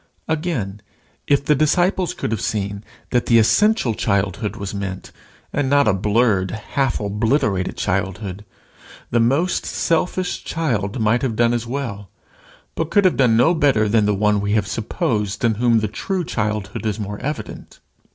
Again, if the disciples could have seen that the essential childhood was meant, and not a blurred and half obliterated childhood, the most selfish child might have done as well, but could have done no better than the one we have supposed in whom the true childhood is more evident.